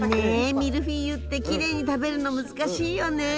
ミルフィーユってきれいに食べるの難しいよね。